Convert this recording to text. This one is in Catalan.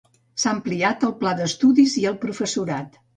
S'ha ampliat el pla d'estudis i el professorat.